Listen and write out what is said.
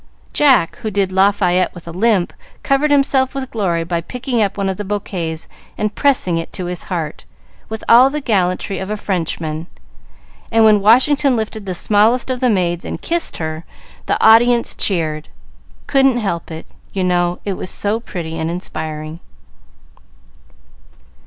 Jack, who did Lafayette with a limp, covered himself with glory by picking up one of the bouquets and pressing it to his heart with all the gallantry of a Frenchman; and when Washington lifted the smallest of the maids and kissed her, the audience cheered. Couldn't help it, you know, it was so pretty and inspiring.